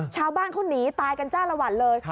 ชาวบ้านเขาหนีตายกันจ้าละวันเลย